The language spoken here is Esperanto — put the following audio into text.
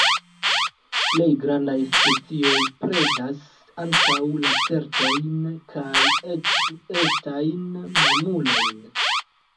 Plej grandaj specioj predas ankaŭ lacertojn kaj eĉ etajn mamulojn.